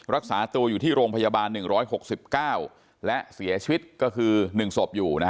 รักษาตัวอยู่ที่โรงพยาบาล๑๖๙และเสียชีวิตก็คือ๑ศพอยู่